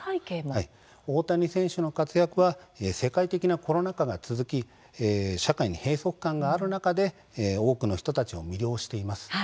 大谷選手の活躍は世界的なコロナ禍が続き社会に閉塞感がある中で多くの人たちを魅了しています。